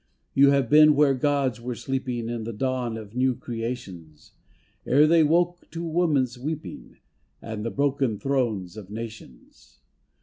You have been where gods were sleeping In the dawn of new creations, Ere they woke to woman's weeping At the broken thrones of nations.